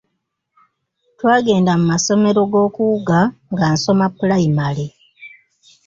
Twagendanga mu masomo g'okuwuga nga nsoma pulayimale.